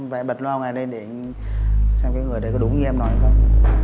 và em bật loa ngoài lên để xem cái người đấy có đúng như em nói không